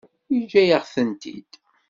Yeǧǧa-yaɣ-tent-id.